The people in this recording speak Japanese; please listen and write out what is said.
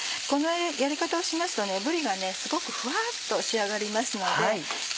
このやり方をしますとぶりがすごくフワっと仕上がりますので。